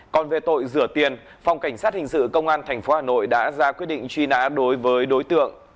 còn về tội rửa tiền phòng cảnh sát hình sự công an tp hà nội đã ra quyết định truy nã đối với đối tượng